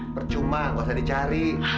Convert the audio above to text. bercuma gak usah dicari